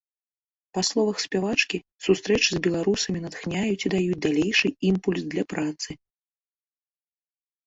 Па словах спявачкі, сустрэчы з беларусамі натхняюць і даюць далейшы імпульс для працы.